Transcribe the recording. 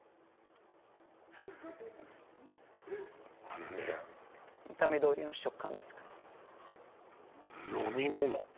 あのね見た目どおりの食感ですか？